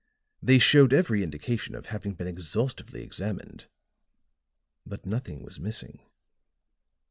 They showed every indication of having been exhaustively examined; but nothing was missing.